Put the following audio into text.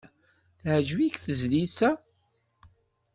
Teɛjeb-ik tezlit-a?